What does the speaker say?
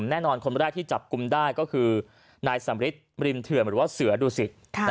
แน่นอนคนแรกที่จับกลุ่มได้ก็คือนายสำริทริมเถื่อนหรือว่าเสือดุสิต